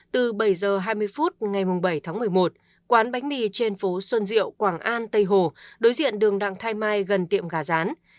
từ bảy h hai mươi phút ngày bảy tháng một mươi một quán bánh mì trên phố xuân diệu quảng an tây hồ đối diện đường đặng thái mai gần tiệm gà rán